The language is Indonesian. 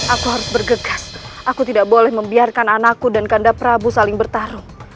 aku harus bergegas aku tidak boleh membiarkan anakku dan kanda prabu saling bertarung